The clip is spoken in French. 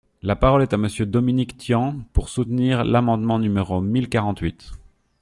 La parole est à Monsieur Dominique Tian, pour soutenir l’amendement numéro mille quarante-huit.